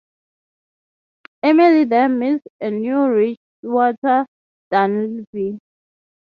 Emily there meets a new rich suitor, Dunlevy.